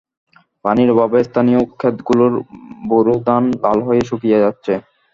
পানির অভাবে স্থানীয় খেতগুলোর বোরো ধান লাল হয়ে শুকিয়ে যাচ্ছে।